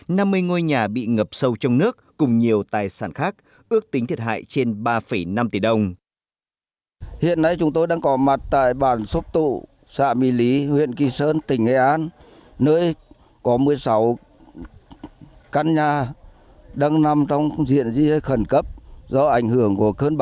năm mươi ngôi nhà bị ngập sâu trong nước cùng nhiều tài sản khác ước tính thiệt hại trên ba năm tỷ đồng